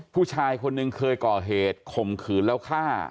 ผู้ชายคนหนึ่งเคยก่อเหตุข่มขืนแล้วฆ่า